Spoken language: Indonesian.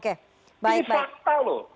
ini fakta loh